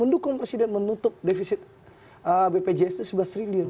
mendukung presiden menutup defisit bpjs itu sebelas triliun